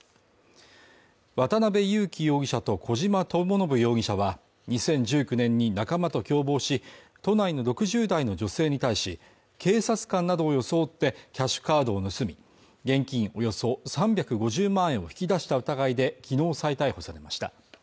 渡辺優樹容疑者と小島智信容疑者は２０１９年に仲間と共謀し、都内の６０代の女性に対し、警察官などを装ってキャッシュカードを盗み、現金およそ３５０万円を引き出した疑いできのう再逮捕されました。